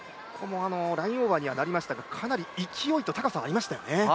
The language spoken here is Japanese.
ラインオーバーにはなりましたけどかなり勢いと高さはありましたよね。